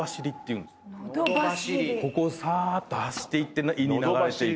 ここをさーっとはしっていって胃に流れていく。